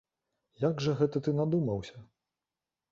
Як жа гэта ты надумаўся?